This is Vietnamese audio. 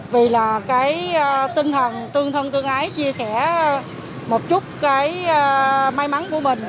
vì là cái tinh thần tương thân tương ái chia sẻ một chút cái may mắn của mình